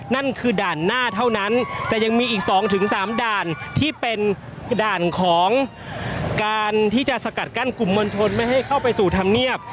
นั่นคือด่านหน้าเท่านั้นแต่ยังมีอีก๒๓ด่านที่เป็นด่านของการที่จะสกัดกั้นกลุ่มมวลชนไม่ให้เข้าไปสู่ธรรมเนียบ